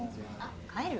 帰る？